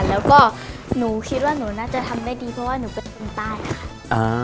แล้วก็หนูคิดว่าหนูน่าจะทำได้ดีเพราะว่าหนูเป็นคนใต้ค่ะ